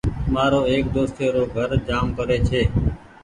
مآرو ايڪ دوستي رو گھر جآم پري ڇي ۔